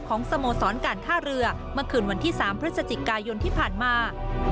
สโมสรการท่าเรือเมื่อคืนวันที่๓พฤศจิกายนที่ผ่านมา